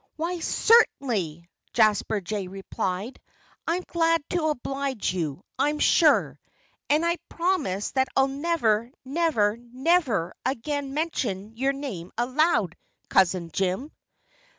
"Why, certainly!" Jasper Jay replied. "I'm glad to oblige you, I'm sure. And I promise that I'll never, never, never again mention your name aloud, Cousin Jim."